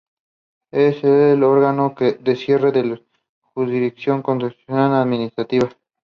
En en algunos otros casos aparece en el lado derecho, como en 毵.